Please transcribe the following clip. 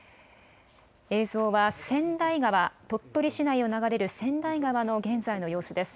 映像は千代川、鳥取市内を流れる千代川の現在の様子です。